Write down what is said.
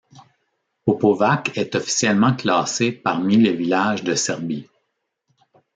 Popovac est officiellement classé parmi les villages de Serbie.